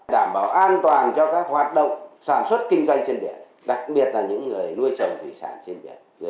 đảm bảo an toàn cho các hoạt động sản xuất kinh doanh trên biển đặc biệt là những người nuôi trồng thủy sản trên biển